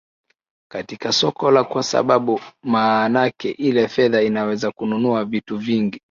katika soko la kwa sababu maanake ile fedha inaweza kununua vitu vingi